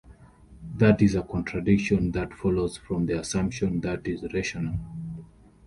That is a contradiction that follows from the assumption that is rational.